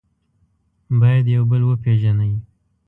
باید یو بل وپېژنئ.